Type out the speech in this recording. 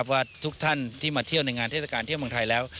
ว่าทุกท่านที่มาเที่ยวในงานเทศกาลเที่ยวเมืองไทยแล้ว